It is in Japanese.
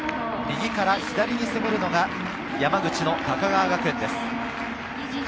右から左に攻めるのが山口の高川学園です。